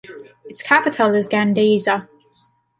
Its capital is Gandesa.